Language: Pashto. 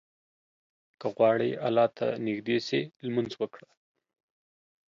که غواړې الله ته نيږدى سې، لمونځ وکړه.